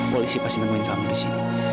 polisi pasti nemuin kamu disini